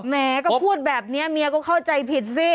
แม่ก็พูดแบบนี้เมียก็เข้าใจผิดสิ